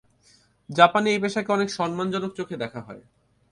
জাপানে এই পেশাকে অনেক সম্মানজনক চোখে দেখা হয়।